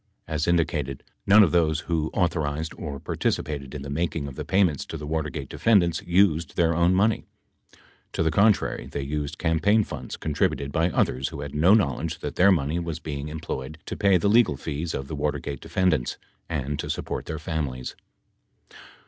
As indicated, none of those who authorized or par ticipated in the making of the payments to the Watergate defendants used their own money; to the contrary they used campaign funds contributed by others who had no knowledge that their money was being employed to pay the legal fees of the Watergate defendants and to support their families.